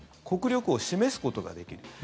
国力を示すことができる。